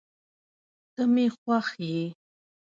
ته مي خوښ یې